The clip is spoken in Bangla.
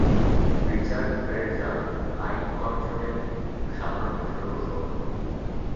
রিচার্ড ফের্যান্ড আইন কমিশনের সাধারণ পৃষ্ঠপোষক।